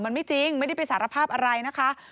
มันไม่จริงไม่ได้ไปสารภาพอะไรนะคะ